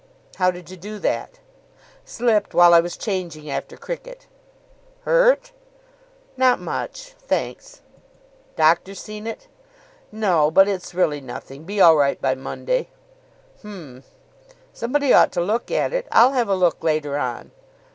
"How did you do that?" "Slipped while I was changing after cricket." "Hurt?" "Not much, thanks." "Doctor seen it?" "No. But it's really nothing. Be all right by Monday." "H'm. Somebody ought to look at it. I'll have a look later on."